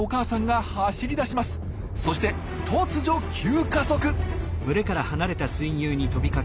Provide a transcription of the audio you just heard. そして突如急加速！